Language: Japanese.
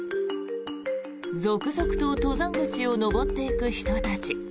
続々と登山口を登っていく人たち。